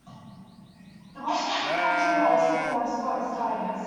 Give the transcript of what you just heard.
The Washington County High School mascot is Tigers.